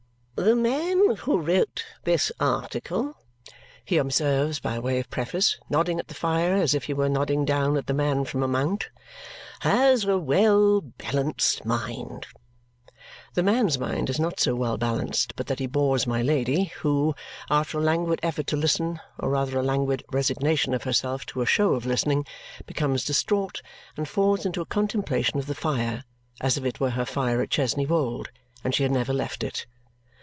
"The man who wrote this article," he observes by way of preface, nodding at the fire as if he were nodding down at the man from a mount, "has a well balanced mind." The man's mind is not so well balanced but that he bores my Lady, who, after a languid effort to listen, or rather a languid resignation of herself to a show of listening, becomes distraught and falls into a contemplation of the fire as if it were her fire at Chesney Wold, and she had never left it.